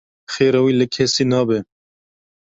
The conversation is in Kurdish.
Xêra wî li kesî nabe.